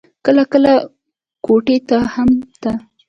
کله کله کوټې ته هم ته.